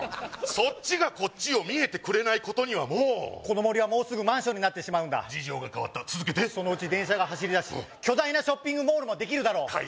そっちがこっちを見えてくれないことにはもうこの森はもうすぐマンションになってしまうんだ事情が変わった続けてそのうち電車が走り出し巨大なショッピングモールもできるだろう